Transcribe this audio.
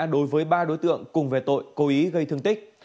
đối với ba đối tượng cùng về tội cố ý gây thương tích